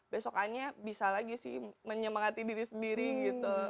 besokannya bisa lagi sih menyemangati diri sendiri gitu